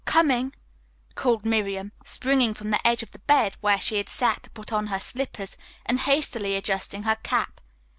"Coming," called Miriam, springing from the edge of the bed, where she had sat to put on her slippers, and hastily adjusting her cap.